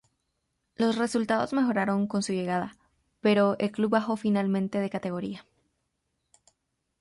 Los resultados mejoraron con su llegada, pero el club bajó finalmente de categoría.